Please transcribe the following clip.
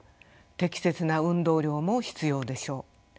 適切な運動量も必要でしょう。